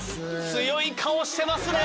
強い顔してますね！